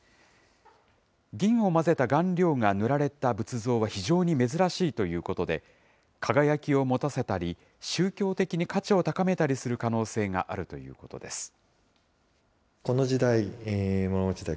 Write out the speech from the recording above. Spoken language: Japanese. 銀を混ぜた顔料が塗られた仏像は非常に珍しいということで、輝きを持たせたり、宗教的に価値を高めたりする可能性があるということです。